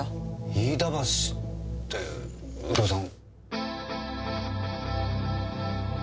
飯田橋って右京さん。